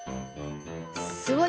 すごい！